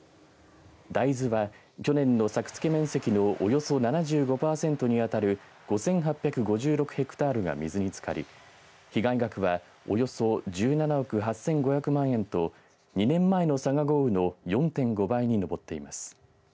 大豆は去年の作付面積のおよそ７５パーセントにあたる５８５６ヘクタールが水につかり被害額はおよそ１７億８５００万円と２年前の佐賀豪雨の４．５倍に上っています。